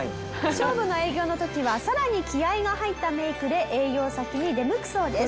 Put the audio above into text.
勝負の営業の時はさらに気合が入ったメイクで営業先に出向くそうです。